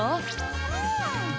うん！